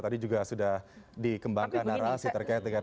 apakah sudah dikembangkan narasi terkait dengan ini